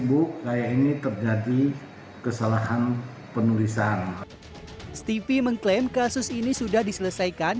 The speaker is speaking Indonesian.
buk layak ini terjadi kesalahan penulisan stevie mengklaim kasus ini sudah diselesaikan